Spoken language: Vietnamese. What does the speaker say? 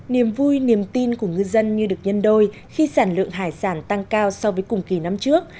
niềm vui niềm tin của ngư dân như được nhân đôi khi sản lượng hải sản tăng cao so với cùng kỳ năm trước